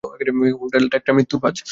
হোটেলটা একটি মৃত্যুর ফাঁদ।